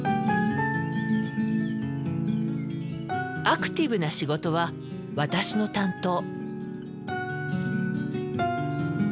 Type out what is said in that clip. アクティブな仕事は私の担当。